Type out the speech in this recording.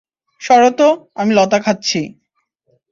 সরো তো, আমি লতা খাচ্ছি।